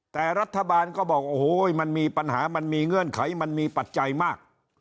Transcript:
แต่รัฐบาลก็บอกโอ้โหมันมีปัญหามันมีเงื่อนไขมันมีปัจจัยมาก